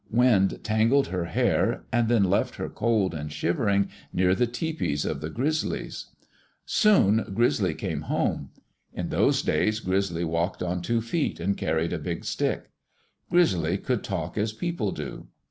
Wind tangled her hair and then left her cold and shivering near the tepees of the Grizzlies. Soon Grizzly came home. In those days Grizzly walked on two feet, and carried a big stick. Grizzly could talk as people do.